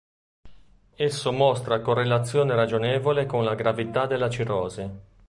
Esso mostra correlazione ragionevole con la gravità della cirrosi.